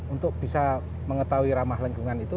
untuk bisa mengetahui ramah lingkungan itu